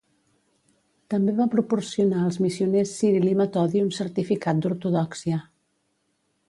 També va proporcionar als missioners Ciril i Metodi un certificat d'ortodòxia.